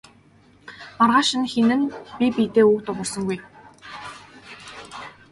Маргааш нь хэн нь бие биедээ үг дуугарсангүй.